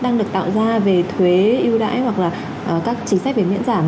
đang được tạo ra về thuế yêu đãi hoặc là các chính sách về miễn giảm